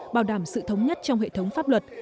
bảo đảm sự thống nhất trong hệ thống pháp luật